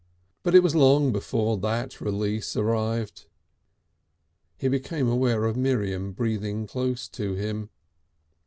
But it was long before that release arrived. He became aware of Miriam breathing close to him.